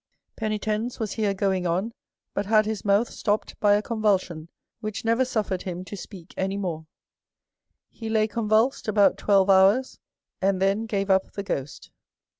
Penitens was here going on, but had his mouth ■Ji stopped by a convulsion, which never suifered him to * speak any more. He lay convulsed about twelve hours, and then gave up the ghost.